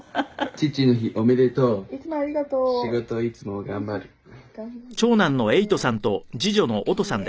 「父の日おめでとう」「いつもありがとう」「仕事いつも頑張る」「頑張る？頑張って」